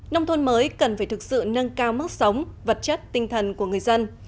nông thôn mới cần phải thực sự nâng cao mức sống vật chất tinh thần của người dân